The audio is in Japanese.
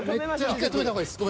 １回止めた方がいいです。